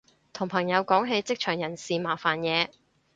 同朋友講起職場人事麻煩嘢